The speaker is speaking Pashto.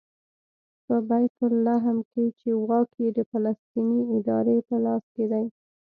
په بیت لحم کې چې واک یې د فلسطیني ادارې په لاس کې دی.